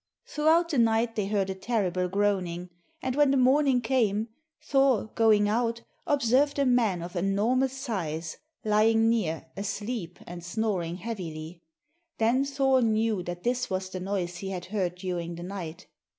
Throughout the night they heard a terrible groaning, and when the morning came, Thor, going out, observed a man of enormous size, lying near, asleep and snoring heavily. Then Thor knew that this was the noise he had heard during the night.